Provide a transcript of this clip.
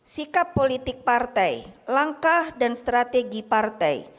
sikap politik partai langkah dan strategi partai